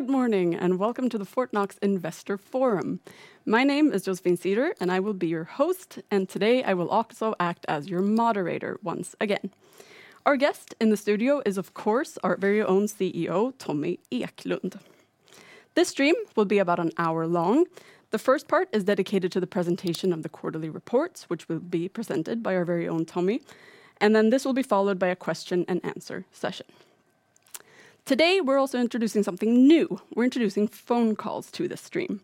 Good morning, and welcome to the Fortnox Investor Forum. My name is Josefin Ceder, and I will be your host, and today I will also act as your moderator once again. Our guest in the studio is, of course, our very own CEO, Tommy Eklund. This stream will be about an hour long. The first part is dedicated to the presentation of the quarterly reports, which will be presented by our very own Tommy, and then this will be followed by a question and answer session. Today, we're also introducing something new. We're introducing phone calls to the stream.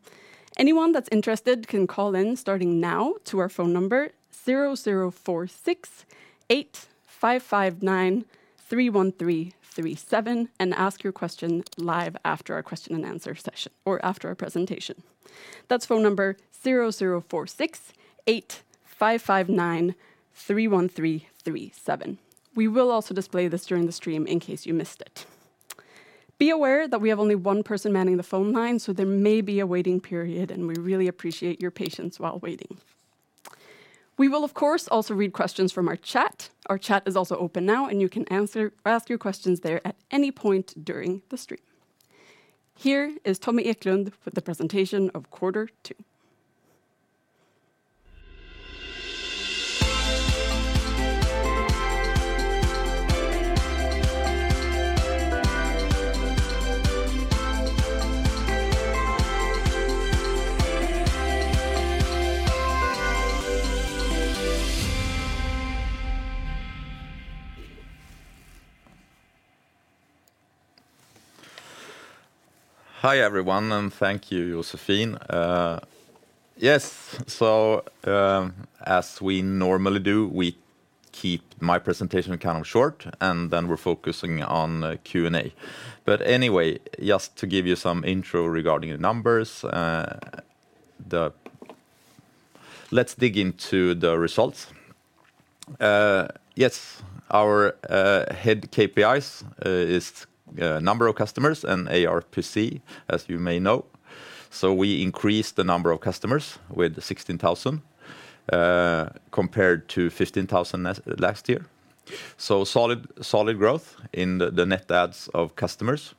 Anyone that's interested can call in, starting now, to our phone number 00 46 85 59 313 37, and ask your question live after our question and answer session or after our presentation. That's phone number 0046855931337. We will also display this during the stream in case you missed it. Be aware that we have only one person manning the phone line, so there may be a waiting period, and we really appreciate your patience while waiting. We will, of course, also read questions from our chat. Our chat is also open now, and you can ask your questions there at any point during the stream. Here is Tommy Eklund with the presentation of quarter two. Hi, everyone, and thank you, Josefin. Yes, so, as we normally do, we keep my presentation kind of short, and then we're focusing on Q&A. But anyway, just to give you some intro regarding the numbers, the... Let's dig into the results. Yes, our key KPIs is number of customers and ARPC, as you may know. So we increased the number of customers with 16,000, compared to 15,000 last year. So solid, solid growth in the net adds of customers.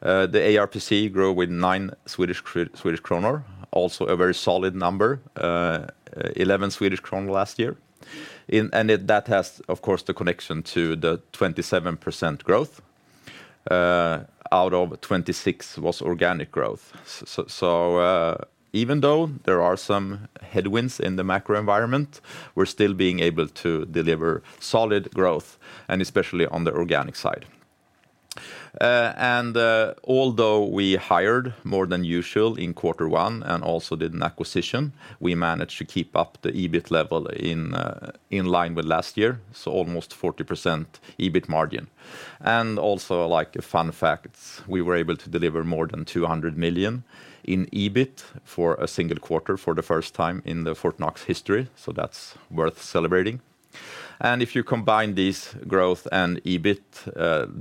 The ARPC grew with 9 Swedish kronor, also a very solid number, 11 Swedish kronor last year. And that has, of course, the connection to the 27% growth, out of 26% was organic growth. So, even though there are some headwinds in the macro environment, we're still being able to deliver solid growth, and especially on the organic side. And although we hired more than usual in quarter one and also did an acquisition, we managed to keep up the EBIT level in line with last year, so almost 40% EBIT margin. And also, like, a fun fact, we were able to deliver more than 200 million in EBIT for a single quarter for the first time in the Fortnox history, so that's worth celebrating. And if you combine this growth and EBIT,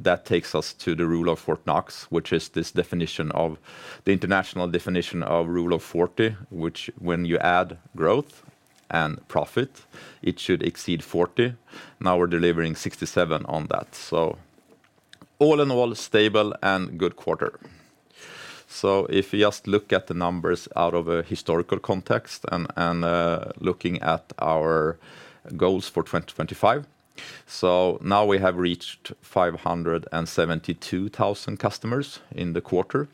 that takes us to the Rule of Fortnox, which is this definition of the international definition of Rule of 40, which when you add growth and profit, it should exceed 40. Now we're delivering 67 on that. So all in all, a stable and good quarter. So if you just look at the numbers out of a historical context and looking at our goals for 2025, so now we have reached 572,000 customers in the quarter.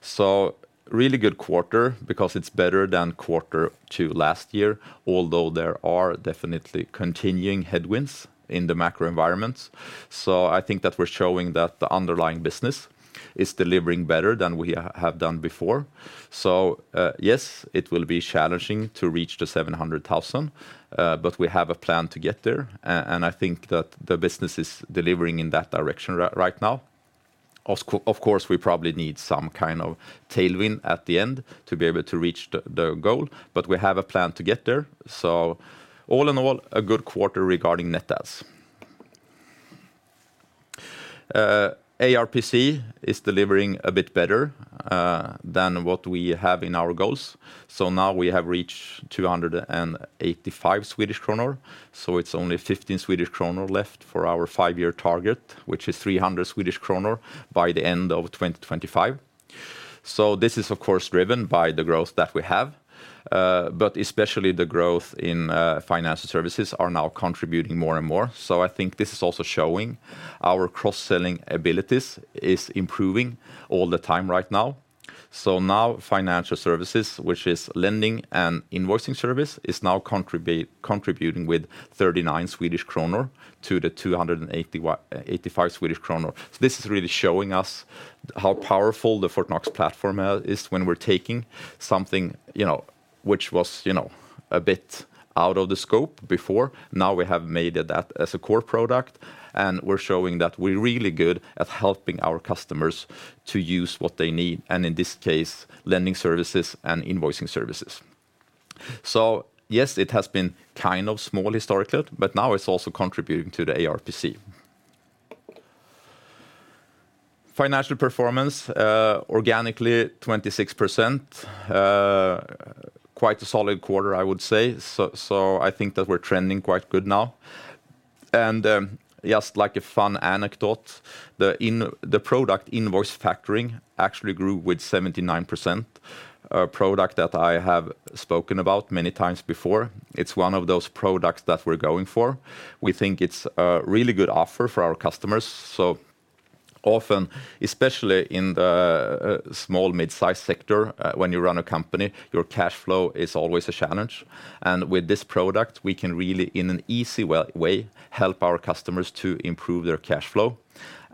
So really good quarter because it's better than quarter two last year, although there are definitely continuing headwinds in the macro environments. So I think that we're showing that the underlying business is delivering better than we have done before. So, yes, it will be challenging to reach the 700,000, but we have a plan to get there, and I think that the business is delivering in that direction right now. Of course, we probably need some kind of tailwind at the end to be able to reach the, the goal, but we have a plan to get there. So all in all, a good quarter regarding net adds. ARPC is delivering a bit better than what we have in our goals. So now we have reached 285 Swedish kronor, so it's only 15 Swedish kronor left for our five-year target, which is 300 Swedish kronor by the end of 2025. So this is, of course, driven by the growth that we have, but especially the growth in financial services are now contributing more and more. So I think this is also showing our cross-selling abilities is improving all the time right now. So now financial services, which is lending and invoicing service, is now contributing with 39 Swedish kronor to the 281.85 Swedish kronor. So this is really showing us how powerful the Fortnox platform is when we're taking something, you know, which was, you know, a bit out of the scope before. Now we have made that as a core product, and we're showing that we're really good at helping our customers to use what they need, and in this case, lending services and invoicing services. So yes, it has been kind of small historically, but now it's also contributing to the ARPC. Financial performance organically, 26%. Quite a solid quarter, I would say. So, so I think that we're trending quite good now. Just like a fun anecdote, the product invoice factoring actually grew with 79%, a product that I have spoken about many times before. It's one of those products that we're going for. We think it's a really good offer for our customers. Often, especially in the small mid-size sector, when you run a company, your cash flow is always a challenge, and with this product, we can really, in an easy way, help our customers to improve their cash flow.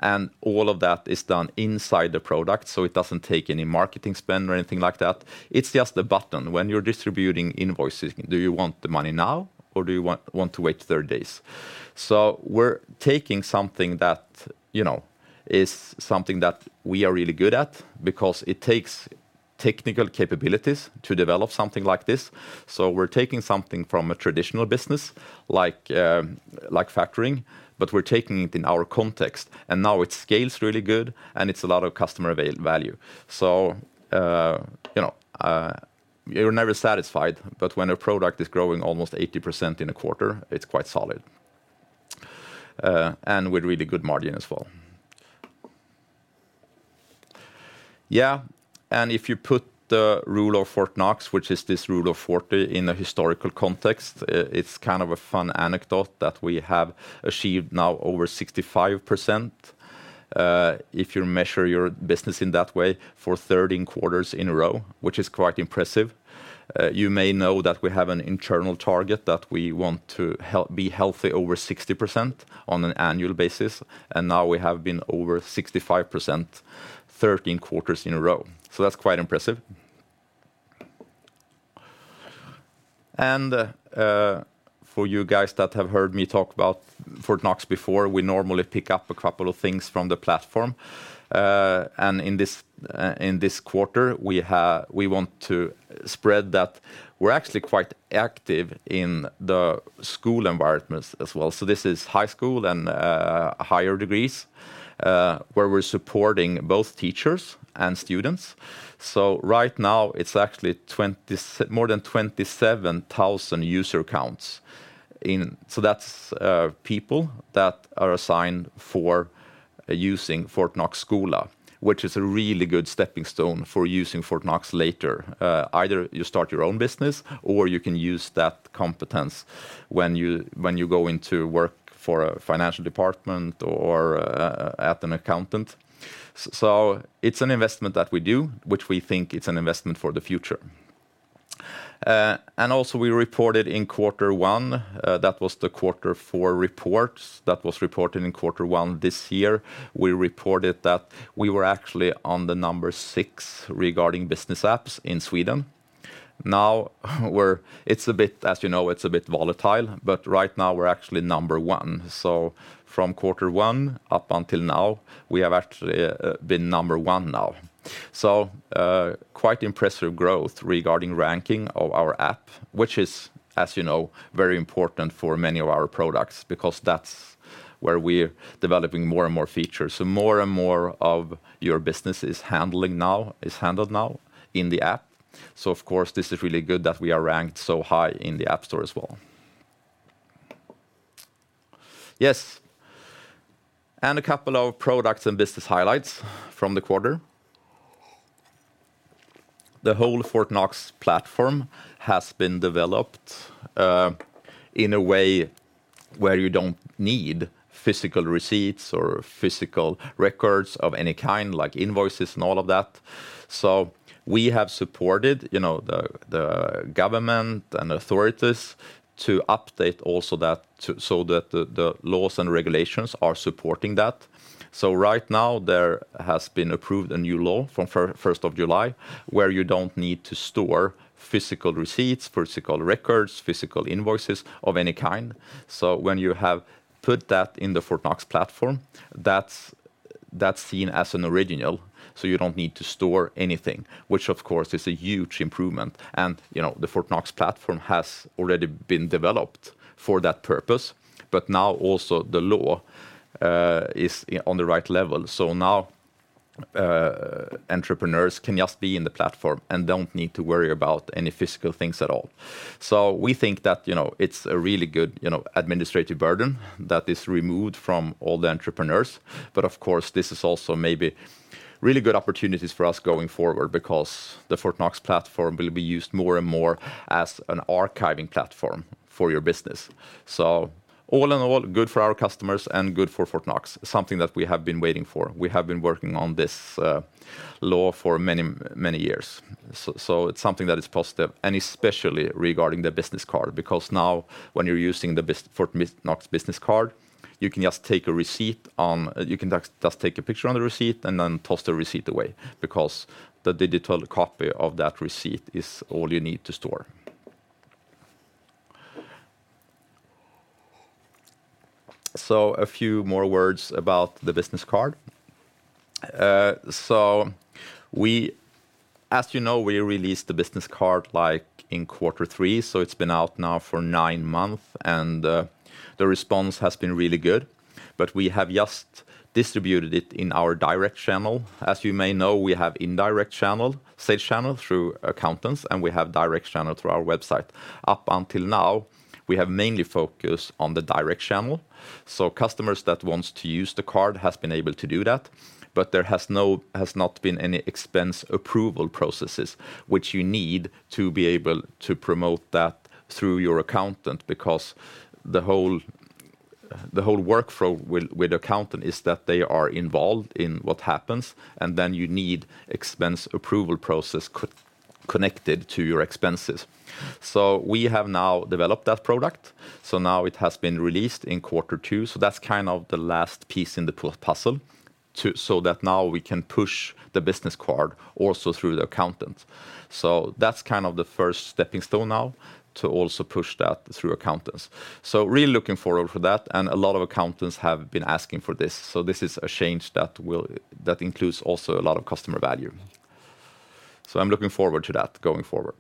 And all of that is done inside the product, so it doesn't take any marketing spend or anything like that. It's just a button. When you're distributing invoices, do you want the money now, or do you want to wait 30 days? So we're taking something that, you know, is something that we are really good at because it takes technical capabilities to develop something like this. So we're taking something from a traditional business, like factoring, but we're taking it in our context, and now it scales really good, and it's a lot of customer value. So, you know, you're never satisfied, but when a product is growing almost 80% in a quarter, it's quite solid, and with really good margin as well. Yeah, and if you put the Rule of Fortnox, which is this Rule of 40, in a historical context, it's kind of a fun anecdote that we have achieved now over 65%, if you measure your business in that way, for 13 quarters in a row, which is quite impressive. You may know that we have an internal target that we want to be healthy over 60% on an annual basis, and now we have been over 65%, 13 quarters in a row. So that's quite impressive. And, for you guys that have heard me talk about Fortnox before, we normally pick up a couple of things from the platform. And in this quarter, we want to spread that we're actually quite active in the school environments as well. So this is high school and higher degrees, where we're supporting both teachers and students. So right now, it's actually more than 27,000 user accounts. So that's people that are assigned for using Fortnox Skola, which is a really good stepping stone for using Fortnox later. Either you start your own business, or you can use that competence when you go into work for a financial department or at an accountant. So it's an investment that we do, which we think it's an investment for the future. And also, we reported in quarter one that was the quarter four report that was reported in quarter one this year, we reported that we were actually on the number six regarding business apps in Sweden. Now, we're. It's a bit, as you know, it's a bit volatile, but right now, we're actually number one. So from quarter one up until now, we have actually been number one now. So, quite impressive growth regarding ranking of our app, which is, as you know, very important for many of our products because that's where we're developing more and more features. So more and more of your business is handling now, is handled now in the app. So of course, this is really good that we are ranked so high in the App Store as well. Yes, and a couple of products and business highlights from the quarter. The whole Fortnox platform has been developed in a way where you don't need physical receipts or physical records of any kind, like invoices and all of that. So we have supported, you know, the government and authorities to update also so that the laws and regulations are supporting that. So right now, there has been approved a new law from first of July, where you don't need to store physical receipts, physical records, physical invoices of any kind. So when you have put that in the Fortnox platform, that's seen as an original, so you don't need to store anything, which, of course, is a huge improvement, and, you know, the Fortnox platform has already been developed for that purpose, but now also the law is on the right level. So now, entrepreneurs can just be in the platform and don't need to worry about any physical things at all. So we think that, you know, it's a really good, you know, administrative burden that is removed from all the entrepreneurs. But of course, this is also maybe really good opportunities for us going forward because the Fortnox platform will be used more and more as an archiving platform for your business. So all in all, good for our customers and good for Fortnox, something that we have been waiting for. We have been working on this law for many years. So, it's something that is positive, and especially regarding the business card, because now when you're using the Fortnox Business Card, you can just take a receipt on. You can just take a picture on the receipt and then toss the receipt away because the digital copy of that receipt is all you need to store. So a few more words about the business card. So we, as you know, we released the business card, like, in quarter three, so it's been out now for 9 months, and the response has been really good, but we have just distributed it in our direct channel. As you may know, we have indirect channel, sales channel through accountants, and we have direct channel through our website. Up until now, we have mainly focused on the direct channel, so customers that wants to use the card has been able to do that, but there has not been any expense approval processes, which you need to be able to promote that through your accountant, because the whole workflow with accountant is that they are involved in what happens, and then you need expense approval process connected to your expenses. So we have now developed that product, so now it has been released in quarter two. So that's kind of the last piece in the puzzle to so that now we can push the business card also through the accountant. So that's kind of the first stepping stone now to also push that through accountants. So really looking forward for that, and a lot of accountants have been asking for this, so this is a change that will, that includes also a lot of customer value. So I'm looking forward to that going forward.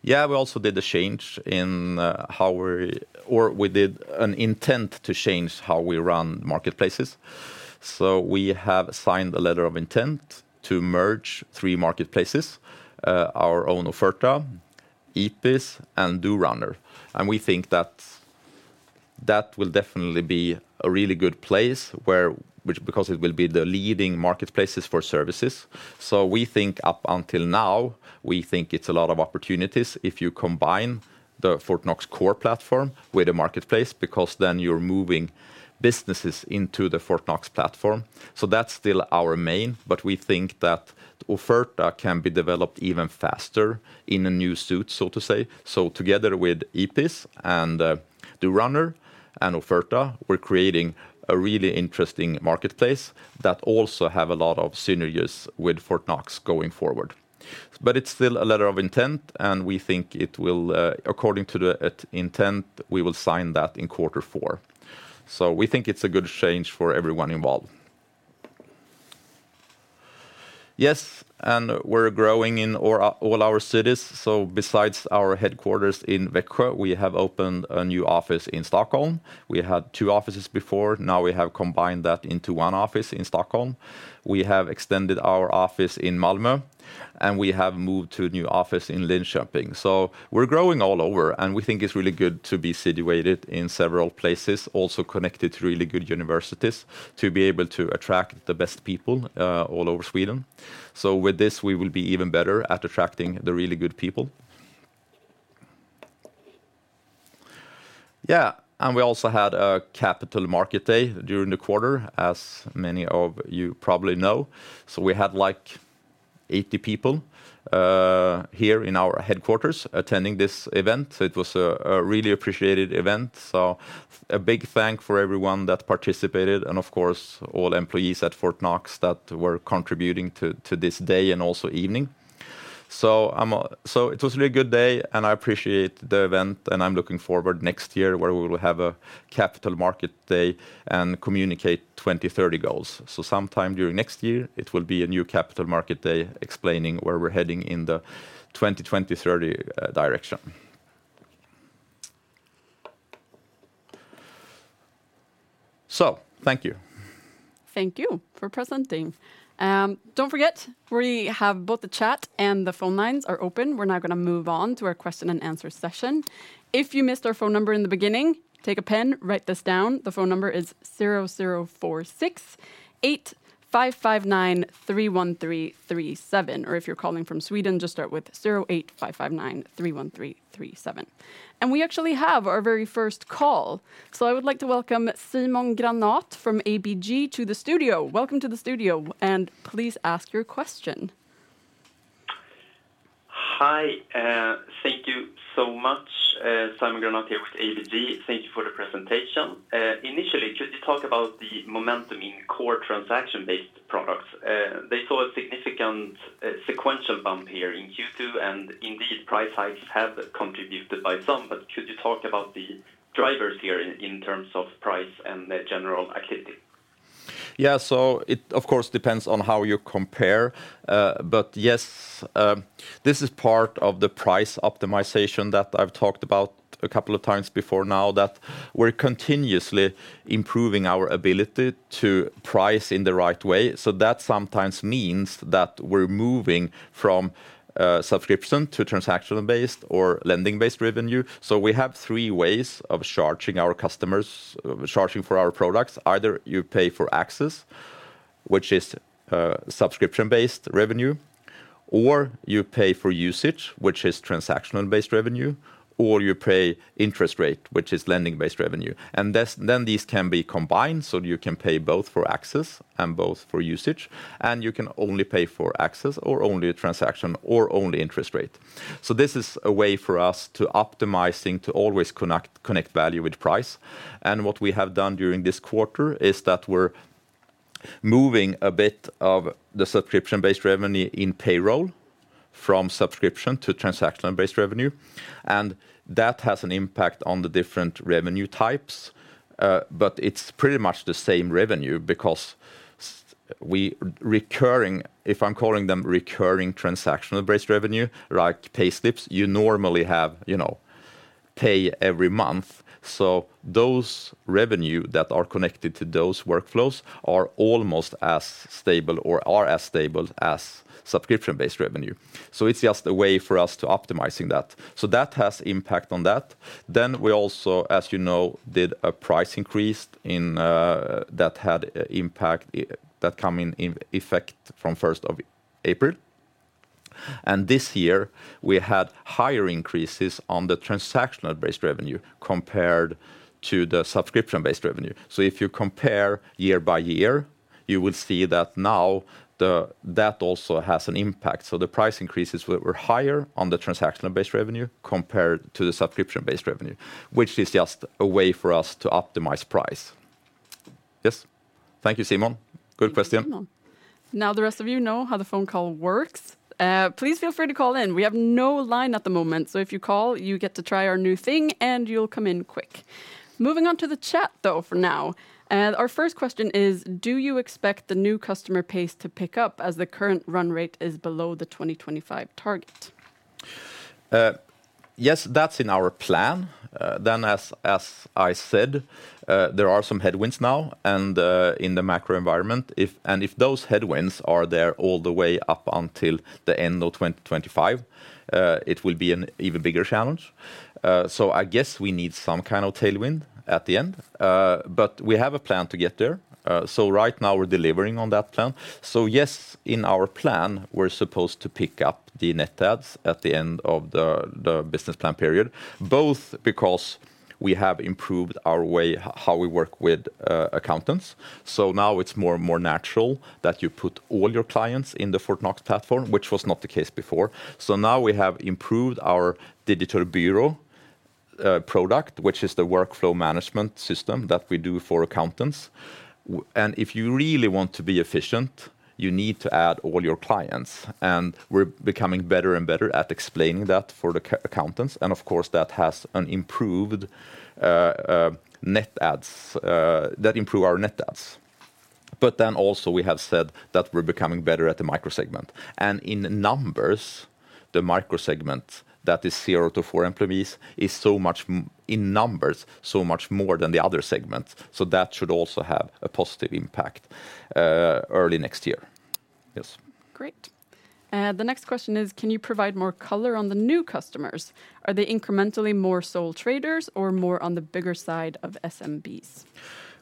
Yeah, we also did a change in how we or we did an intent to change how we run marketplaces. So we have signed a letter of intent to merge three marketplaces, our own Offerta, Epies, and Dorunner. And we think that that will definitely be a really good place where, which because it will be the leading marketplaces for services. So we think up until now, we think it's a lot of opportunities if you combine the Fortnox core platform with the marketplace, because then you're moving businesses into the Fortnox platform. So that's still our main, but we think that Offerta can be developed even faster in a new suit, so to say. So together with Epies and DoRunner, and Offerta, we're creating a really interesting marketplace that also have a lot of synergies with Fortnox going forward. But it's still a letter of intent, and we think it will, according to the intent, we will sign that in quarter four. So we think it's a good chance for everyone involved. Yes, and we're growing in all our, all our cities. So besides our headquarters in Växjö, we have opened a new office in Stockholm. We had two offices before, now we have combined that into one office in Stockholm. We have extended our office in Malmö, and we have moved to a new office in Linköping. So we're growing all over, and we think it's really good to be situated in several places, also connected to really good universities, to be able to attract the best people, all over Sweden. So with this, we will be even better at attracting the really good people. Yeah, and we also had a capital market day during the quarter, as many of you probably know. So we had, like, 80 people here in our headquarters attending this event. It was a really appreciated event, so a big thanks for everyone that participated, and of course, all employees at Fortnox that were contributing to this day and also evening. So it was a really good day, and I appreciate the event, and I'm looking forward next year, where we will have a capital market day and communicate 20, 30 goals. Sometime during next year, it will be a new capital market day explaining where we're heading in the 2020-2030 direction. Thank you. Thank you for presenting. Don't forget, we have both the chat and the phone lines are open. We're now gonna move on to our question and answer session. If you missed our phone number in the beginning, take a pen, write this down. The phone number is 0046855931337, or if you're calling from Sweden, just start with 0855931337. And we actually have our very first call. So I would like to welcome Simon Granath from ABG to the studio. Welcome to the studio, and please ask your question. Hi, thank you so much. Simon Granath here with ABG. Thank you for the presentation. Initially, could you talk about the momentum in core transaction-based products? They saw a significant sequential bump here in Q2, and indeed, price hikes have contributed by some, but could you talk about the drivers here in terms of price and the general activity? Yeah, so it, of course, depends on how you compare, but yes, this is part of the price optimization that I've talked about a couple of times before now, that we're continuously improving our ability to price in the right way. So that sometimes means that we're moving from subscription to transactional-based or lending-based revenue. So we have three ways of charging our customers, charging for our products. Either you pay for access, which is subscription-based revenue, or you pay for usage, which is transactional-based revenue, or you pay interest rate, which is lending-based revenue. And this then these can be combined, so you can pay both for access and both for usage, and you can only pay for access or only a transaction or only interest rate. So this is a way for us to optimizing to always connect, connect value with price. What we have done during this quarter is that we're moving a bit of the subscription-based revenue in payroll from subscription to transactional-based revenue, and that has an impact on the different revenue types. But it's pretty much the same revenue because recurring, if I'm calling them recurring transactional-based revenue, like payslips, you normally have, you know, pay every month. So those revenue that are connected to those workflows are almost as stable or are as stable as subscription-based revenue. So it's just a way for us to optimizing that. So that has impact on that. Then we also, as you know, did a price increase in that had impact that come in in effect from 1st of April. And this year, we had higher increases on the transactional-based revenue compared to the subscription-based revenue. So if you compare year by year, you will see that now that also has an impact. So the price increases were higher on the transactional-based revenue compared to the subscription-based revenue, which is just a way for us to optimize price. Yes. Thank you, Simon. Good question. Thank you, Simon. Now, the rest of you know how the phone call works. Please feel free to call in. We have no line at the moment, so if you call, you get to try our new thing, and you'll come in quick. Moving on to the chat, though, for now, our first question is: Do you expect the new customer pace to pick up, as the current run rate is below the 2025 target? Yes, that's in our plan. Then, as I said, there are some headwinds now, and in the macro environment. If those headwinds are there all the way up until the end of 2025, it will be an even bigger challenge. So I guess we need some kind of tailwind at the end. But we have a plan to get there. So right now, we're delivering on that plan. So, yes, in our plan, we're supposed to pick up the net adds at the end of the business plan period, both because we have improved our way, how we work with accountants. So now it's more and more natural that you put all your clients in the Fortnox platform, which was not the case before. So now we have improved our Digital Bureau product, which is the workflow management system that we do for accountants. And if you really want to be efficient, you need to add all your clients, and we're becoming better and better at explaining that for the accountants, and of course, that has an improved net adds that improve our net adds. But then also we have said that we're becoming better at the micro segment. And in numbers, the micro segment, that is zero to four employees, is so much more in numbers, so much more than the other segments, so that should also have a positive impact early next year. Yes. Great. The next question is: Can you provide more color on the new customers? Are they incrementally more sole traders or more on the bigger side of SMBs?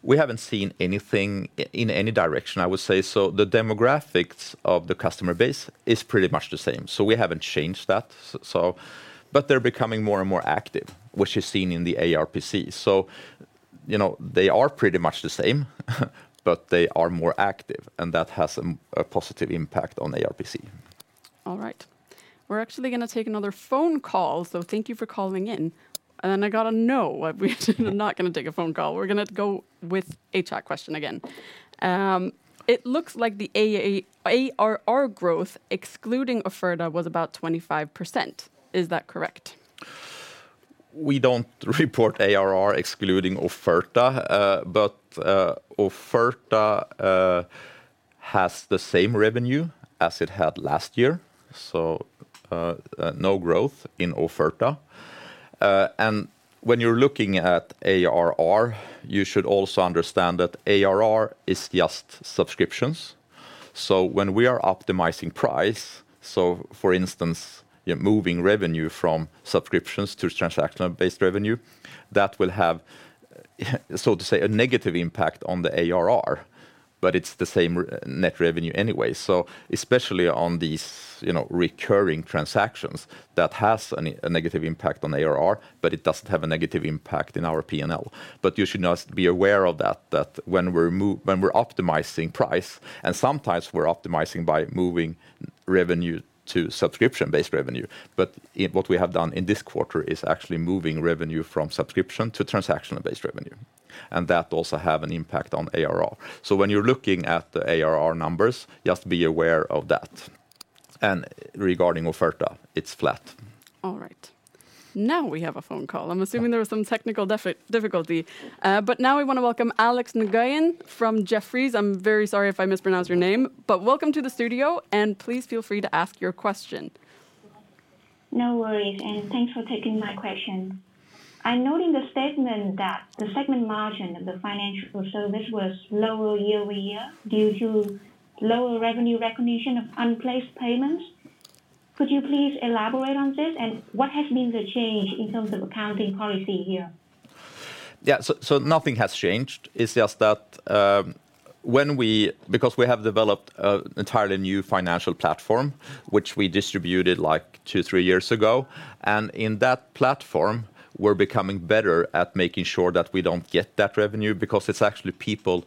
We haven't seen anything in any direction, I would say. So the demographics of the customer base is pretty much the same. So we haven't changed that. But they're becoming more and more active, which is seen in the ARPC. So, you know, they are pretty much the same, but they are more active, and that has a positive impact on ARPC. All right. We're actually gonna take another phone call, so thank you for calling in. And then I got a no. We're not gonna take a phone call. We're gonna go with a chat question again. It looks like the AA, ARR growth, excluding Offerta, was about 25%. Is that correct? We don't report ARR excluding Offerta, but Offerta has the same revenue as it had last year, so no growth in Offerta. And when you're looking at ARR, you should also understand that ARR is just subscriptions. So when we are optimizing price, so for instance, you're moving revenue from subscriptions to transactional-based revenue, that will have, so to say, a negative impact on the ARR, but it's the same net revenue anyway. So especially on these, you know, recurring transactions, that has a negative impact on ARR, but it doesn't have a negative impact in our P&L. But you should just be aware of that, that when we're optimizing price, and sometimes we're optimizing by moving revenue to subscription-based revenue. But what we have done in this quarter is actually moving revenue from subscription to transactional-based revenue, and that also have an impact on ARR. So when you're looking at the ARR numbers, just be aware of that. Regarding Offerta, it's flat. All right. Now, we have a phone call. Yeah. I'm assuming there was some technical difficulty. Uh, but now we want to welcome Alex Nguyen from Jefferies. I'm very sorry if I mispronounced your name, but welcome to the studio, and please feel free to ask your question. No worries, and thanks for taking my question. I noted in the statement that the segment margin of the financial service was lower year-over-year due to lower revenue recognition of unplaced payments. Could you please elaborate on this, and what has been the change in terms of accounting policy here? Yeah, so, so nothing has changed. It's just that, when we—because we have developed an entirely new financial platform, which we distributed, like, 2, 3 years ago, and in that platform, we're becoming better at making sure that we don't get that revenue, because it's actually people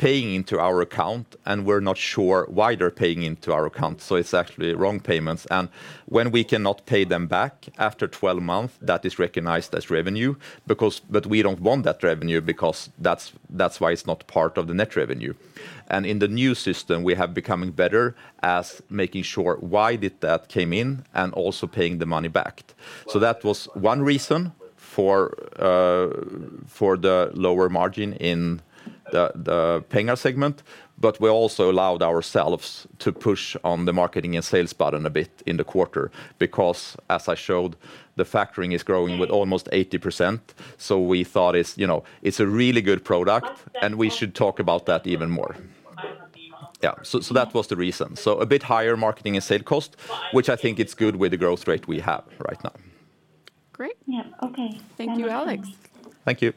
paying into our account, and we're not sure why they're paying into our account, so it's actually wrong payments. And when we cannot pay them back after 12 months, that is recognized as revenue, because... but we don't want that revenue, because that's why it's not part of the net revenue. And in the new system, we have becoming better as making sure why did that came in and also paying the money back. So that was one reason-... For the lower margin in the Penga segment, but we also allowed ourselves to push on the marketing and sales button a bit in the quarter. Because as I showed, the factoring is growing with almost 80%, so we thought it's, you know, it's a really good product, and we should talk about that even more. Yeah, so that was the reason. So a bit higher marketing and sale cost, which I think it's good with the growth rate we have right now. Great! Thank you, Alex. Thank you.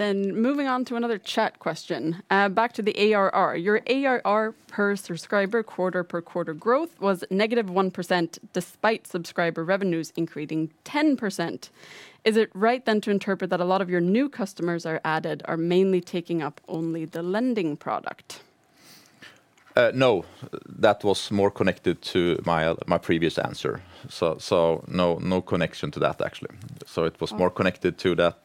Moving on to another chat question. Back to the ARR. Your ARR per subscriber quarter-over-quarter growth was negative 1%, despite subscriber revenues increasing 10%. Is it right then to interpret that a lot of your new customers are added, are mainly taking up only the lending product? No. That was more connected to my previous answer. So, no connection to that, actually. So it was- Okay... more connected to that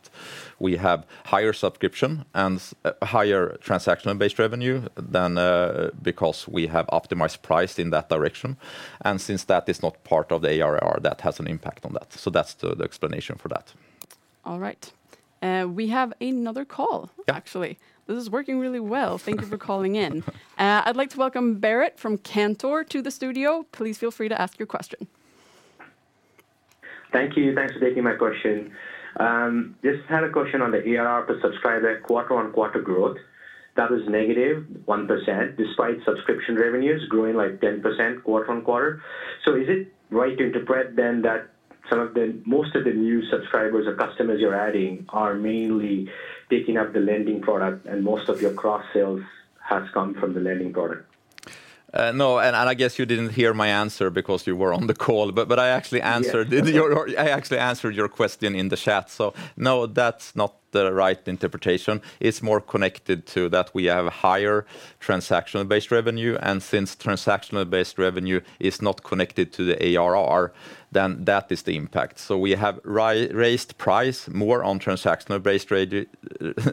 we have higher subscription and higher transactional-based revenue than, because we have optimized price in that direction. And since that is not part of the ARR, that has an impact on that. So that's the explanation for that. All right. We have another call- Yeah ... actually. This is working really well. Thank you for calling in. I'd like to welcome Bharath from Cantor to the studio. Please feel free to ask your question. Thank you. Thanks for taking my question. Just had a question on the ARR per subscriber quarter-on-quarter growth. That was negative 1%, despite subscription revenues growing, like, 10% quarter-on-quarter. So is it right to interpret then that some of the... most of the new subscribers or customers you're adding are mainly taking up the lending product, and most of your cross-sales has come from the lending product? No, and I guess you didn't hear my answer because you were on the call. But I actually answered- Yes.... I actually answered your question in the chat, so, no, that's not the right interpretation. It's more connected to that we have a higher transactional-based revenue, and since transactional-based revenue is not connected to the ARR, then that is the impact. So we have raised price more on transactional-based trade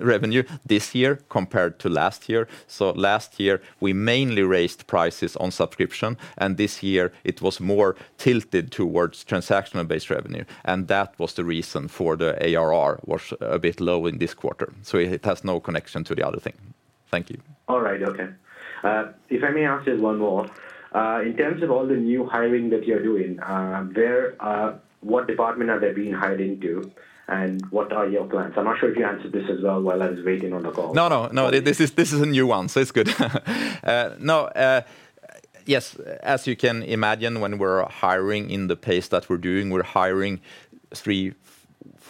revenue this year compared to last year. So last year, we mainly raised prices on subscription, and this year it was more tilted towards transactional-based revenue, and that was the reason for the ARR was a bit low in this quarter, so it, it has no connection to the other thing. Thank you. All right. Okay. If I may ask you one more. In terms of all the new hiring that you're doing, where, what department are they being hired into, and what are your plans? I'm not sure if you answered this as well while I was waiting on the call. No, no, no, this is, this is a new one, so it's good. Yes, as you can imagine, when we're hiring in the pace that we're doing, we're hiring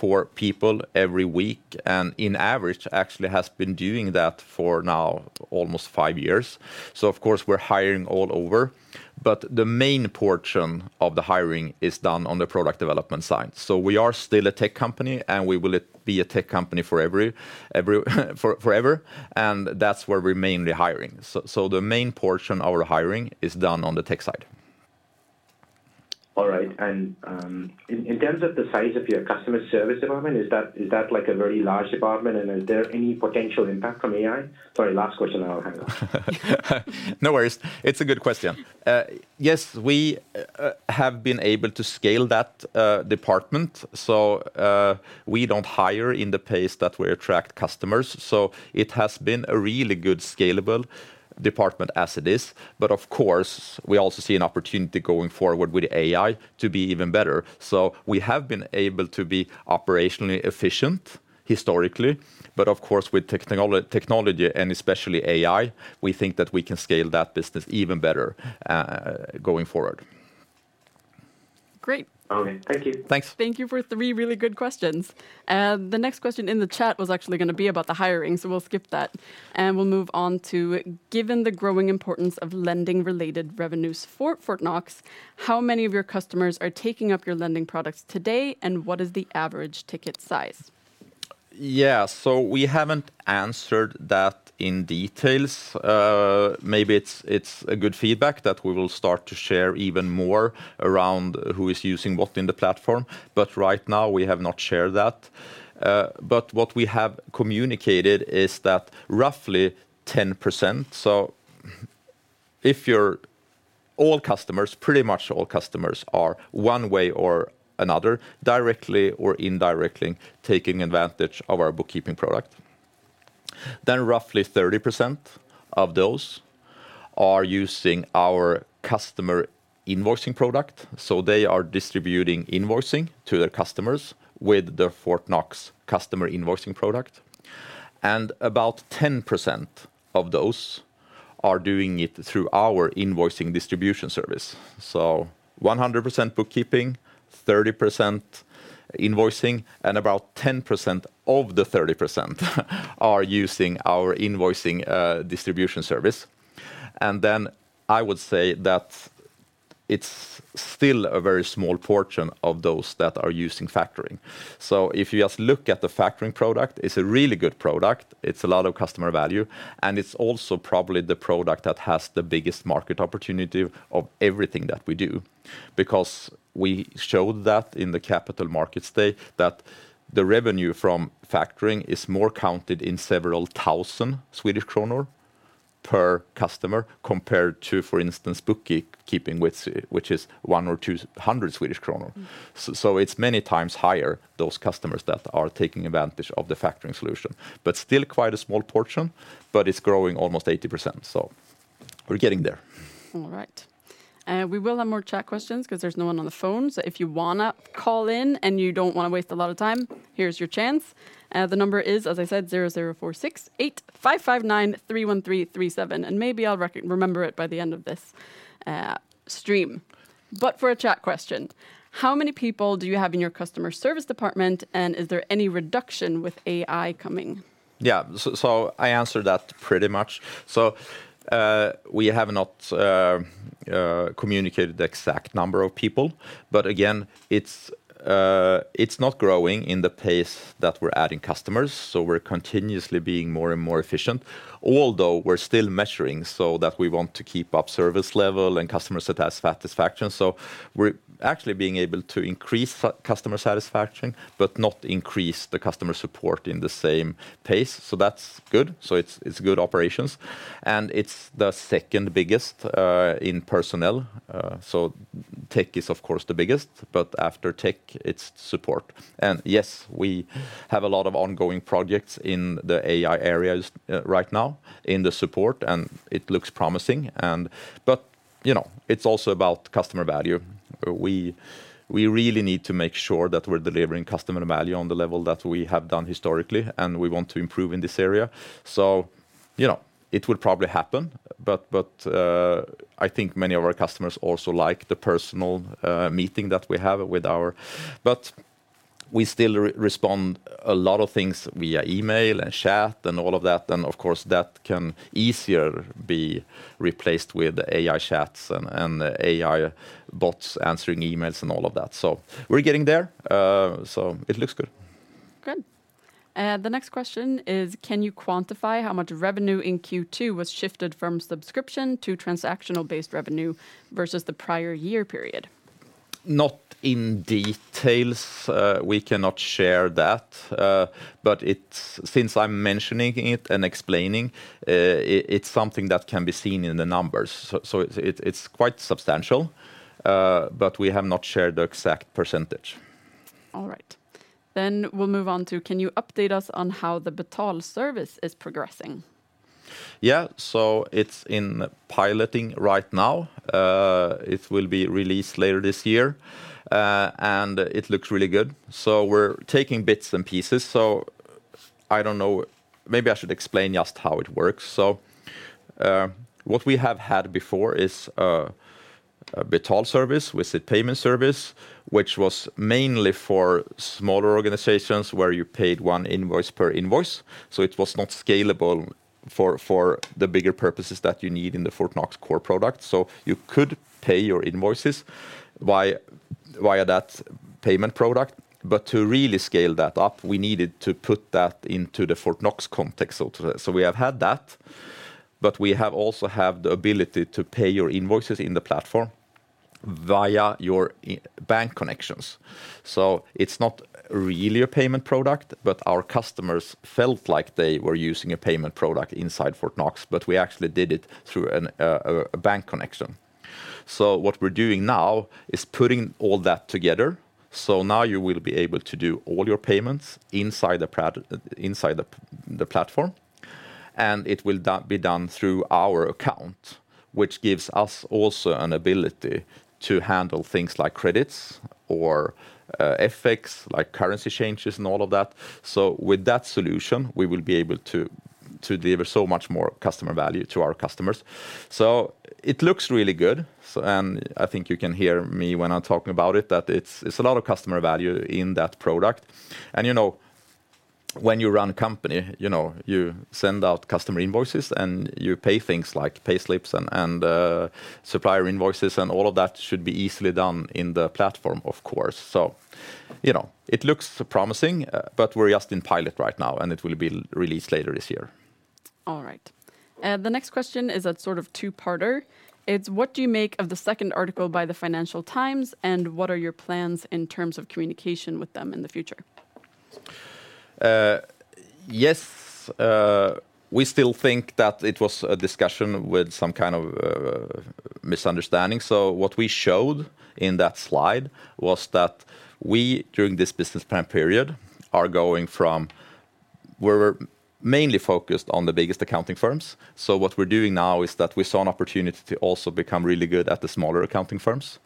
3-4 people every week, and in average, actually has been doing that for now almost 5 years. So of course, we're hiring all over, but the main portion of the hiring is done on the product development side. So we are still a tech company, and we will be a tech company forever, and that's where we're mainly hiring. So the main portion of our hiring is done on the tech side. All right. And, in terms of the size of your customer service environment, is that, is that like a very large department, and is there any potential impact from AI? Sorry, last question, and I'll hang up. No worries. It's a good question. Yes, we have been able to scale that department, so we don't hire in the pace that we attract customers, so it has been a really good, scalable department as it is. But of course, we also see an opportunity going forward with AI to be even better. So we have been able to be operationally efficient historically, but of course, with technology, and especially AI, we think that we can scale that business even better, going forward. Great. Okay. Thank you. Thanks. Thank you for three really good questions. The next question in the chat was actually gonna be about the hiring, so we'll skip that, and we'll move on to: given the growing importance of lending-related revenues for Fortnox, how many of your customers are taking up your lending products today, and what is the average ticket size? Yeah, so we haven't answered that in details. Maybe it's a good feedback that we will start to share even more around who is using what in the platform, but right now, we have not shared that. But what we have communicated is that roughly 10%, so if you're... All customers, pretty much all customers, are one way or another, directly or indirectly, taking advantage of our bookkeeping product. Then, roughly 30% of those are using our customer invoicing product, so they are distributing invoicing to their customers with the Fortnox customer invoicing product. And about 10% of those are doing it through our invoicing distribution service. So 100% bookkeeping, 30% invoicing, and about 10% of the 30% are using our invoicing distribution service. Then I would say that it's still a very small portion of those that are using factoring. So if you just look at the factoring product, it's a really good product. It's a lot of customer value, and it's also probably the product that has the biggest market opportunity of everything that we do. Because we showed that in the capital markets day, that the revenue from factoring is more counted in several thousand SEK per customer compared to, for instance, bookkeeping, which is 100-200 Swedish kronor. Mm. So it's many times higher, those customers that are taking advantage of the factoring solution, but still quite a small portion, but it's growing almost 80%, so we're getting there. All right. We will have more chat questions, 'cause there's no one on the phone. So if you wanna call in, and you don't wanna waste a lot of time, here's your chance. The number is, as I said, 0046855931337, and maybe I'll remember it by the end of this stream. But for a chat question: "How many people do you have in your customer service department, and is there any reduction with AI coming? Yeah, so I answered that pretty much. So, we have not communicated the exact number of people, but again, it's not growing in the pace that we're adding customers, so we're continuously being more and more efficient. Although we're still measuring so that we want to keep up service level and customer satisfaction. So we're actually being able to increase customer satisfaction, but not increase the customer support in the same pace, so that's good. So it's good operations, and it's the second-biggest in personnel. So tech is, of course, the biggest, but after tech, it's support. And yes, we have a lot of ongoing projects in the AI areas right now in the support, and it looks promising, and... But, you know, it's also about customer value. We really need to make sure that we're delivering customer value on the level that we have done historically, and we want to improve in this area. So, you know, it will probably happen, but I think many of our customers also like the personal meeting that we have with our... But we still respond a lot of things via email and chat and all of that, and of course, that can easier be replaced with AI chats and AI bots answering emails and all of that. So we're getting there, so it looks good. Good. The next question is: "Can you quantify how much revenue in Q2 was shifted from subscription to transactional-based revenue versus the prior year period? Not in details. We cannot share that, but it's, since I'm mentioning it and explaining it, it's something that can be seen in the numbers. So it's quite substantial, but we have not shared the exact percentage. All right. Then we'll move on to, "Can you update us on how the Betalservice is progressing? Yeah, so it's in piloting right now. It will be released later this year, and it looks really good. So we're taking bits and pieces, so I don't know... Maybe I should explain just how it works. So, what we have had before is a Betalservice with a payment service, which was mainly for smaller organizations where you paid one invoice per invoice, so it was not scalable for the bigger purposes that you need in the Fortnox core product. So you could pay your invoices via that payment product, but to really scale that up, we needed to put that into the Fortnox context, so to say. So we have had that, but we also have the ability to pay your invoices in the platform via your internet bank connections. So it's not really a payment product, but our customers felt like they were using a payment product inside Fortnox, but we actually did it through a bank connection. So what we're doing now is putting all that together, so now you will be able to do all your payments inside the platform, and it will be done through our account, which gives us also an ability to handle things like credits or FX, like currency changes and all of that. So with that solution, we will be able to deliver so much more customer value to our customers. So it looks really good, so and I think you can hear me when I'm talking about it, that it's a lot of customer value in that product. you know, when you run a company, you know, you send out customer invoices, and you pay things like payslips and supplier invoices, and all of that should be easily done in the platform, of course. So, you know, it looks promising, but we're just in pilot right now, and it will be released later this year. All right. The next question is a sort of two-parter. It's: "What do you make of the second article by the Financial Times, and what are your plans in terms of communication with them in the future? Yes, we still think that it was a discussion with some kind of misunderstanding. So what we showed in that slide was that we, during this business plan period, are going from... We're mainly focused on the biggest accounting firms, so what we're doing now is that we saw an opportunity to also become really good at the smaller accounting firms.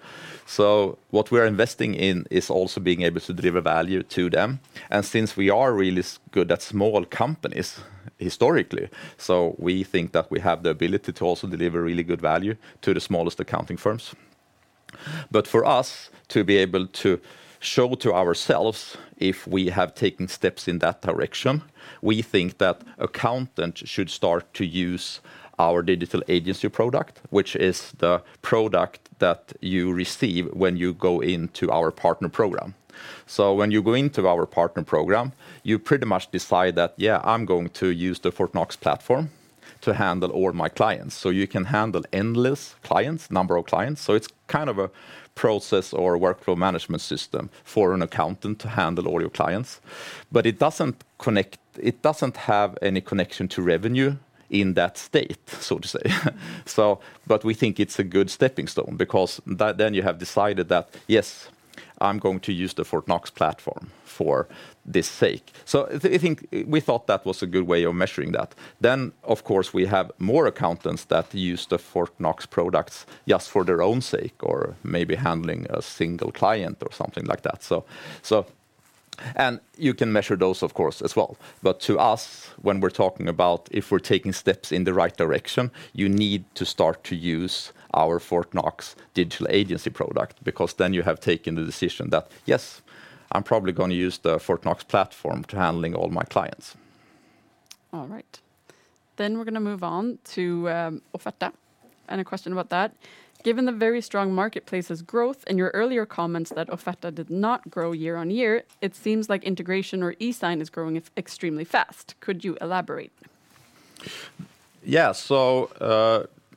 So what we're investing in is also being able to deliver value to them, and since we are really good at small companies historically, so we think that we have the ability to also deliver really good value to the smallest accounting firms. But for us to be able to show to ourselves if we have taken steps in that direction, we think that accountants should start to use our Digital Bureau product, which is the product that you receive when you go into our partner program. So when you go into our partner program, you pretty much decide that, "Yeah, I'm going to use the Fortnox platform to handle all my clients." So you can handle endless clients, number of clients, so it's kind of a process or workflow management system for an accountant to handle all your clients. But it doesn't have any connection to revenue in that state, so to say. So but we think it's a good stepping stone because then you have decided that, yes, I'm going to use the Fortnox platform for this sake. So I think we thought that was a good way of measuring that. Then, of course, we have more accountants that use the Fortnox products just for their own sake, or maybe handling a single client or something like that. So, and you can measure those, of course, as well. But to us, when we're talking about if we're taking steps in the right direction, you need to start to use our Fortnox Digital Bureau product, because then you have taken the decision that, "Yes, I'm probably gonna use the Fortnox platform to handling all my clients. All right. Then we're gonna move on to Offerta, and a question about that. "Given the very strong marketplace's growth and your earlier comments that Offerta did not grow year-on-year, it seems like integration or eSign is growing extremely fast. Could you elaborate? Yeah, so,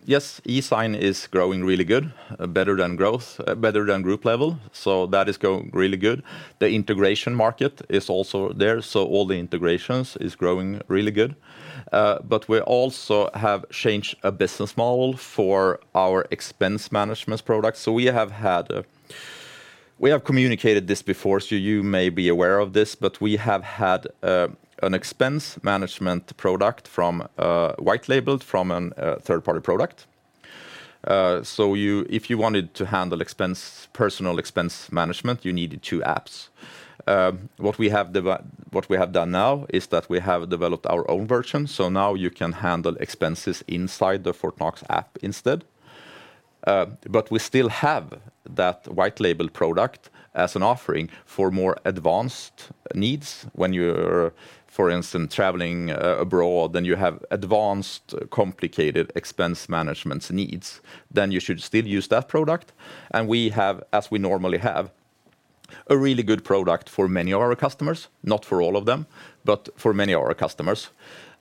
yes, eSign is growing really good, better than group level, so that is going really good. The integration market is also there, so all the integrations is growing really good. But we also have changed a business model for our expense management product. So we have had a... We have communicated this before, so you may be aware of this, but we have had, an expense management product from, white labeled from an, third-party product. So if you wanted to handle expense, personal expense management, you needed two apps. What we have done now is that we have developed our own version, so now you can handle expenses inside the Fortnox app instead. But we still have that white label product as an offering for more advanced needs. When you're, for instance, traveling abroad, then you have advanced, complicated expense management needs, then you should still use that product. And we have, as we normally have, a really good product for many of our customers, not for all of them, but for many of our customers.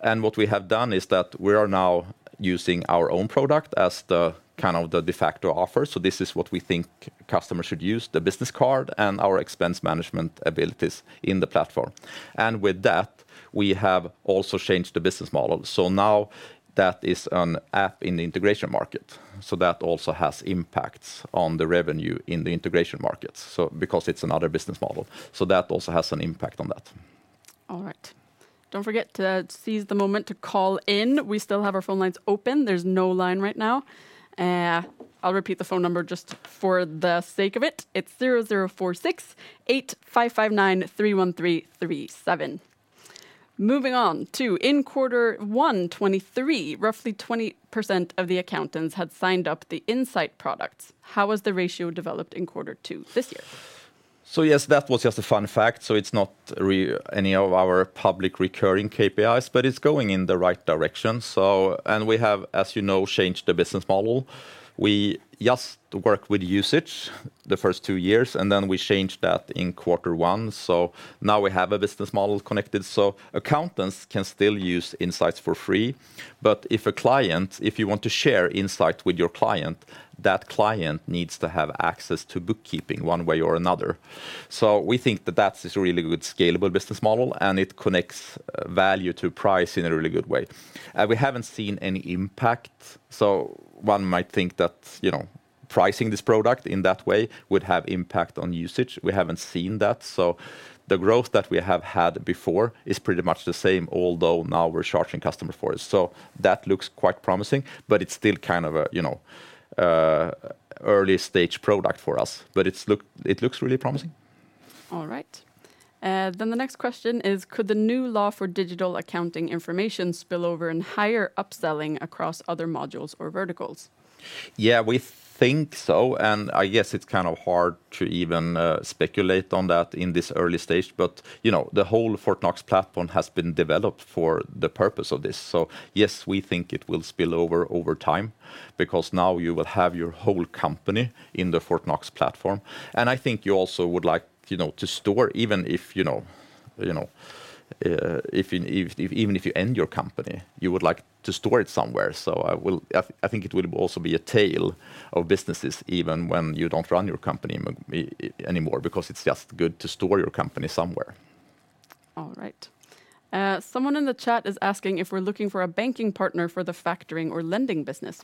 And what we have done is that we are now using our own product as the, kind of the de facto offer. So this is what we think customers should use, the business card and our expense management abilities in the platform. And with that, we have also changed the business model. So now that is an app in the integration market, so that also has impacts on the revenue in the integration markets, so because it's another business model, so that also has an impact on that. All right. Don't forget to seize the moment to call in. We still have our phone lines open. There's no line right now. I'll repeat the phone number just for the sake of it. It's 0046855931337. Moving on to in quarter one 2023, roughly 20% of the accountants had signed up the insight products. How has the ratio developed in quarter two this year? So yes, that was just a fun fact, so it's not any of our public recurring KPIs, but it's going in the right direction. So, and we have, as you know, changed the business model. We just worked with usage the first two years, and then we changed that in quarter one, so now we have a business model connected. So accountants can still use Insights for free, but if a client, if you want to share Insight with your client, that client needs to have access to bookkeeping one way or another. So we think that that's a really good scalable business model, and it connects value to price in a really good way. And we haven't seen any impact, so one might think that, you know, pricing this product in that way would have impact on usage. We haven't seen that, so the growth that we have had before is pretty much the same, although now we're charging customers for it. So that looks quite promising, but it's still kind of a, you know, early-stage product for us, but it looks really promising. All right. Then the next question is: Could the new law for digital accounting information spill over in higher upselling across other modules or verticals? Yeah, we think so, and I guess it's kind of hard to even speculate on that in this early stage. But, you know, the whole Fortnox platform has been developed for the purpose of this. So, yes, we think it will spill over over time, because now you will have your whole company in the Fortnox platform. And I think you also would like, you know, to store, even if you end your company, you would like to store it somewhere. I think it would also be a tail of businesses, even when you don't run your company anymore, because it's just good to store your company somewhere. All right. Someone in the chat is asking if we're looking for a banking partner for the factoring or lending business.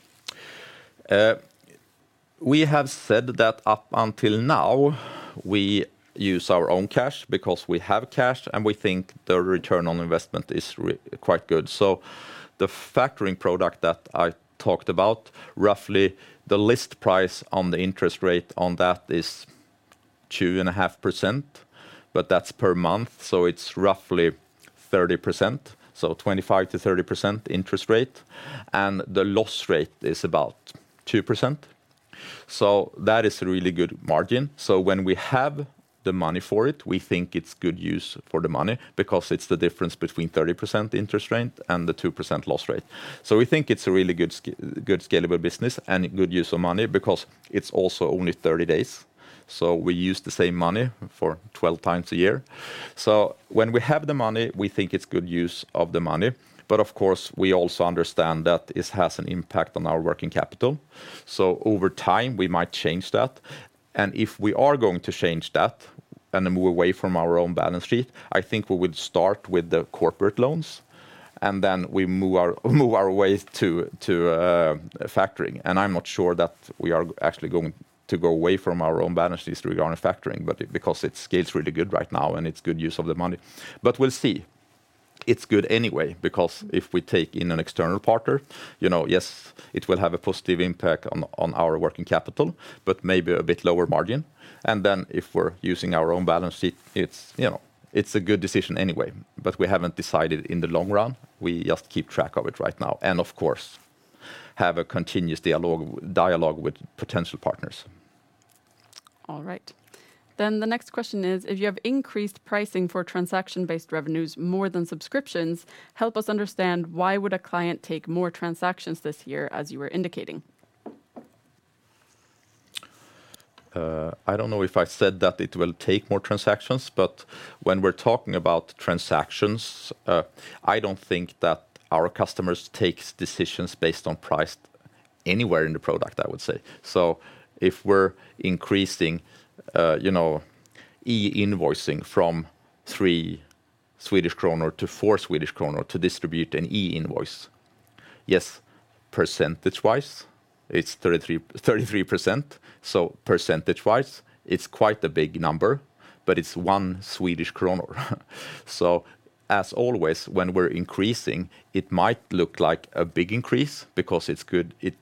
We have said that up until now, we use our own cash because we have cash, and we think the return on investment is quite good. So the factoring product that I talked about, roughly the list price on the interest rate on that is 2.5%, but that's per month, so it's roughly 30%, so 25%-30% interest rate, and the loss rate is about 2%. So that is a really good margin. So when we have the money for it, we think it's good use for the money because it's the difference between 30% interest rate and the 2% loss rate. So we think it's a really good scalable business and a good use of money because it's also only 30 days, so we use the same money 12 times a year. So when we have the money, we think it's good use of the money. But of course, we also understand that this has an impact on our working capital, so over time we might change that. And if we are going to change that and then move away from our own balance sheet, I think we would start with the corporate loans, and then we move our way to factoring. And I'm not sure that we are actually going to go away from our own balance sheet regarding factoring, but it because it scales really good right now, and it's good use of the money. But we'll see. It's good anyway, because if we take in an external partner, you know, yes, it will have a positive impact on our working capital, but maybe a bit lower margin. And then if we're using our own balance sheet, it's, you know, it's a good decision anyway, but we haven't decided in the long run. We just keep track of it right now and, of course, have a continuous dialogue with potential partners. All right. Then the next question is: "If you have increased pricing for transaction-based revenues more than subscriptions, help us understand why would a client take more transactions this year as you were indicating? I don't know if I said that it will take more transactions, but when we're talking about transactions, I don't think that our customers takes decisions based on price anywhere in the product, I would say. So if we're increasing, you know, e-invoicing from 3 Swedish kronor to 4 Swedish kronor to distribute an e-invoice, yes, percentage-wise, it's 33, 33%, so percentage-wise, it's quite a big number, but it's 1 Swedish kronor. So as always, when we're increasing, it might look like a big increase because it,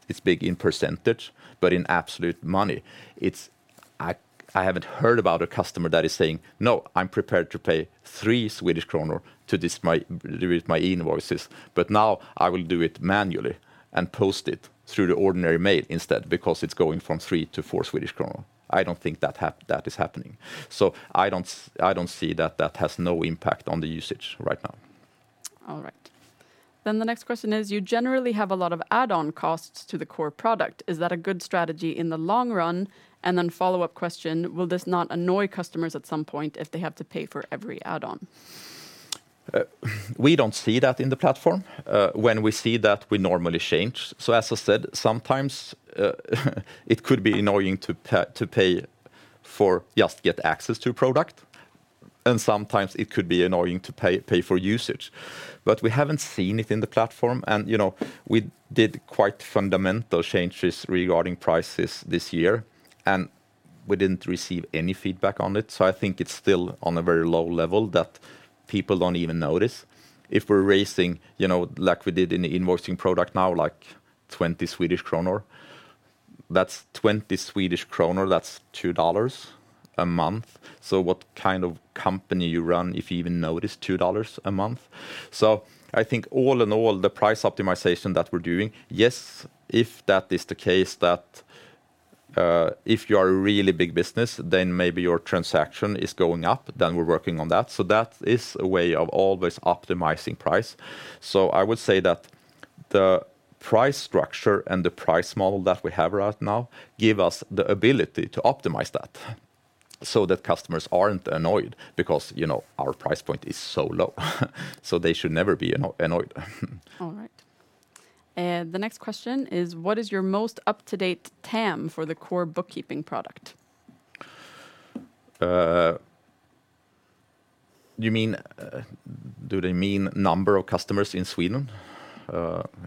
it's big in percentage, but in absolute money, it's... I haven't heard about a customer that is saying, "No, I'm prepared to pay 3 Swedish kronor to do my e-invoices, but now I will do it manually and post it through the ordinary mail instead, because it's going from 3 to 4 Swedish kronor." I don't think that is happening. So I don't see that that has no impact on the usage right now. All right. Then the next question is: "You generally have a lot of add-on costs to the core product. Is that a good strategy in the long run?" And then follow-up question: "Will this not annoy customers at some point if they have to pay for every add-on? We don't see that in the platform. When we see that, we normally change. So as I said, sometimes it could be annoying to pay for just to get access to a product, and sometimes it could be annoying to pay for usage, but we haven't seen it in the platform. And, you know, we did quite fundamental changes regarding prices this year, and we didn't receive any feedback on it, so I think it's still on a very low level that people don't even notice. If we're raising, you know, like we did in the invoicing product now, like 20 Swedish kronor, that's 20 Swedish kronor, that's $2 a month, so what kind of company you run if you even notice $2 a month? So I think all in all, the price optimization that we're doing, yes, if that is the case, that, if you are a really big business, then maybe your transaction is going up, then we're working on that, so that is a way of always optimizing price. So I would say that the price structure and the price model that we have right now give us the ability to optimize that, so that customers aren't annoyed because, you know, our price point is so low, so they should never be annoyed. All right. The next question is: "What is your most up-to-date TAM for the core bookkeeping product? You mean, do they mean number of customers in Sweden?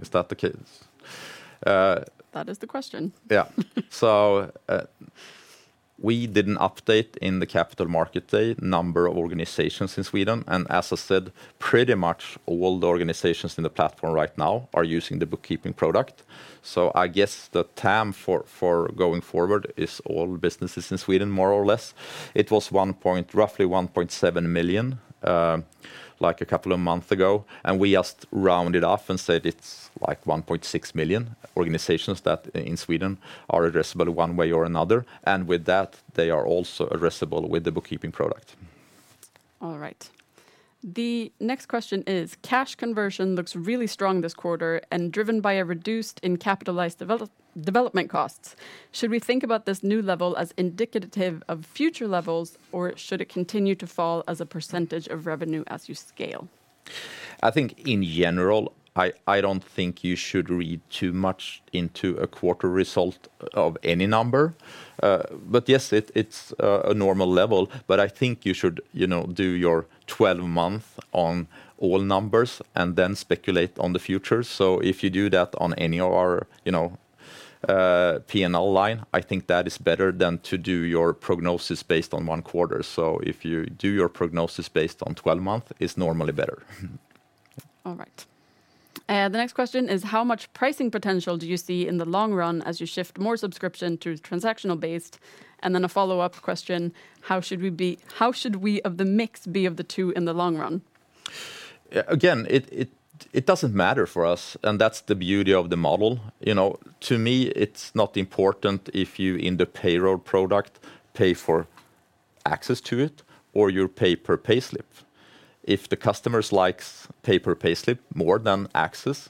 Is that the case? That is the question. Yeah. So, we did an update in the capital market, the number of organizations in Sweden, and as I said, pretty much all the organizations in the platform right now are using the bookkeeping product, so I guess the TAM for, for going forward is all businesses in Sweden, more or less. It was one point- roughly 1.7 million, like a couple of month ago, and we just rounded off and said it's, like, 1.6 million organizations that in Sweden are addressable one way or another, and with that, they are also addressable with the bookkeeping product. All right. The next question is: "Cash conversion looks really strong this quarter and driven by a reduced in capitalized development costs. Should we think about this new level as indicative of future levels, or should it continue to fall as a percentage of revenue as you scale? I think, in general, I don't think you should read too much into a quarter result of any number. But yes, it's a normal level, but I think you should, you know, do your 12-month on all numbers and then speculate on the future. So if you do that on any of our, you know, P&L line, I think that is better than to do your prognosis based on one quarter. So if you do your prognosis based on 12-month, it's normally better. All right. The next question is: "How much pricing potential do you see in the long run as you shift more subscription to transactional-based?" And then a follow-up question: "How should we be- how should we of the mix be of the two in the long run? Again, it doesn't matter for us, and that's the beauty of the model. You know, to me, it's not important if you, in the payroll product, pay for access to it or you pay per payslip. If the customers likes pay per payslip more than access,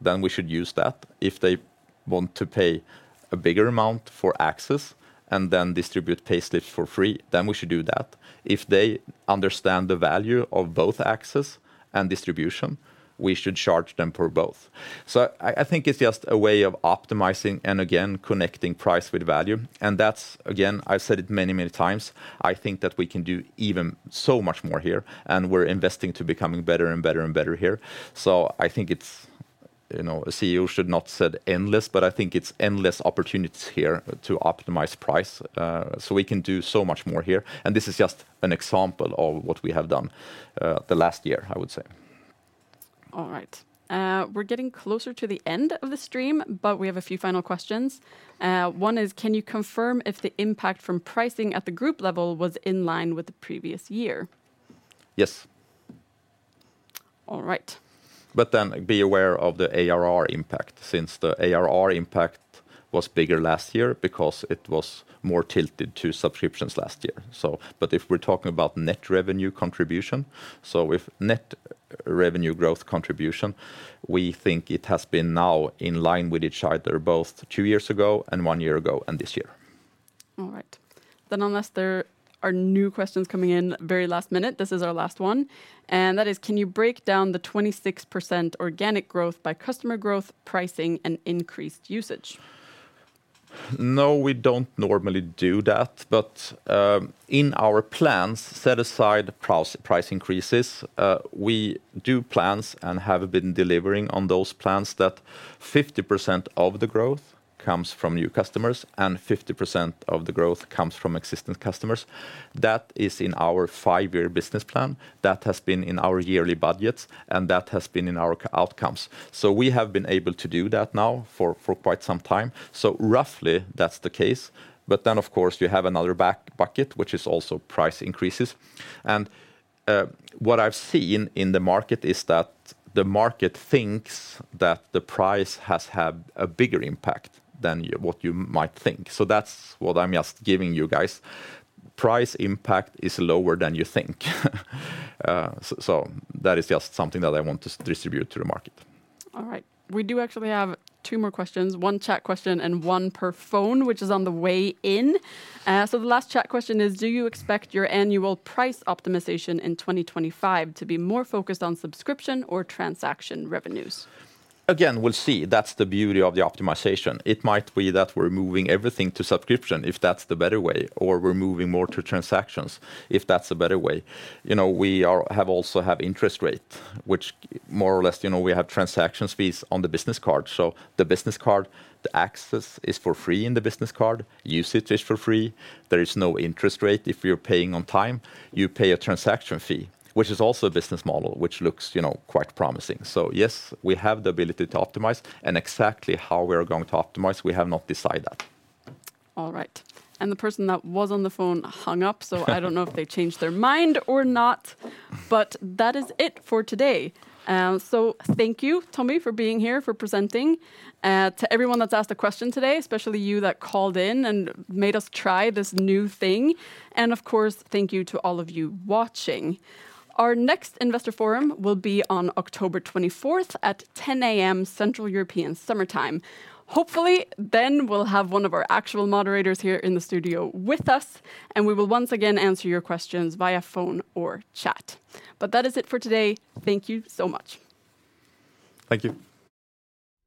then we should use that. If they want to pay a bigger amount for access and then distribute payslips for free, then we should do that. If they understand the value of both access and distribution, we should charge them for both. So I think it's just a way of optimizing, and again, connecting price with value, and that's again, I've said it many, many times, I think that we can do even so much more here, and we're investing to becoming better and better and better here. So I think it's, you know, a CEO should not set endless, but I think it's endless opportunities here to optimize price. So we can do so much more here, and this is just an example of what we have done, the last year, I would say. All right. We're getting closer to the end of the stream, but we have a few final questions. One is, "Can you confirm if the impact from pricing at the group level was in line with the previous year? Yes. All right. But then be aware of the ARR impact, since the ARR impact was bigger last year because it was more tilted to subscriptions last year. But if we're talking about net revenue contribution, so with net revenue growth contribution, we think it has been now in line with each other, both two years ago and one year ago, and this year. All right. Then unless there are new questions coming in very last minute, this is our last one, and that is, "Can you break down the 26% organic growth by customer growth, pricing, and increased usage? No, we don't normally do that. But, in our plans, set aside price increases, we do plans and have been delivering on those plans that 50% of the growth comes from new customers, and 50% of the growth comes from existing customers. That is in our five-year business plan, that has been in our yearly budgets, and that has been in our outcomes. So we have been able to do that now for quite some time. So roughly, that's the case, but then, of course, you have another bucket, which is also price increases. And, what I've seen in the market is that the market thinks that the price has had a bigger impact than what you might think. So that's what I'm just giving you guys. Price impact is lower than you think. So that is just something that I want to distribute to the market. All right. We do actually have two more questions, one chat question and one per phone, which is on the way in. So the last chat question is, "Do you expect your annual price optimization in 2025 to be more focused on subscription or transaction revenues? Again, we'll see. That's the beauty of the optimization. It might be that we're moving everything to subscription, if that's the better way, or we're moving more to transactions, if that's a better way. You know, we also have interest rate, which more or less, you know, we have transaction fees on the business card. So the business card, the access is for free in the business card, usage is for free, there is no interest rate if you're paying on time. You pay a transaction fee, which is also a business model, which looks, you know, quite promising. So yes, we have the ability to optimize, and exactly how we're going to optimize, we have not decided that. All right, and the person that was on the phone hung up, so I don't know if they changed their mind or not, but that is it for today. So thank you, Tommy, for being here, for presenting. To everyone that's asked a question today, especially you that called in and made us try this new thing, and of course, thank you to all of you watching. Our next investor forum will be on October 24th at 10:00 A.M., Central European Summer Time. Hopefully, then we'll have one of our actual moderators here in the studio with us, and we will once again answer your questions via phone or chat. But that is it for today. Thank you so much. Thank you.